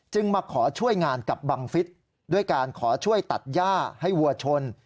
มาขอช่วยงานกับบังฟิศด้วยการขอช่วยตัดย่าให้วัวชน